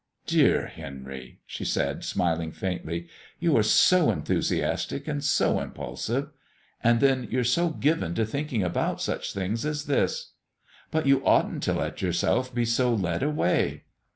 "Dear Henry," she said, smiling faintly, "you are so enthusiastic and so impulsive. And then you're so given to thinking about such things as this. But you oughtn't to let yourself be so led away."